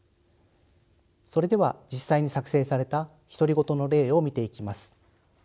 それでは実際に作成された独り言の例を見ていきます。